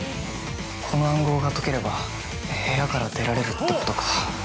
この暗号が解ければ部屋が出られるってことか。